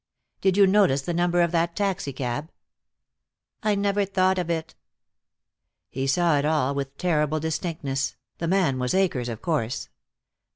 "Did you notice the number of the taxicab?" "I never thought of it." He saw it all with terrible distinctness, The man was Akers, of course.